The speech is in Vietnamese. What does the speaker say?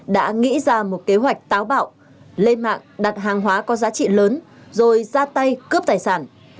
đã nghĩ ra một kế hoạch táo bạo lên mạng đặt hàng hóa có giá trị lớn rồi ra tay cướp tài sản